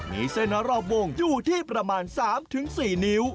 มีเส้นรอบวงอยู่ที่ประมาณ๓๔นิ้ว